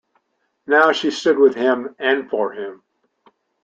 Now she stood with him and for him.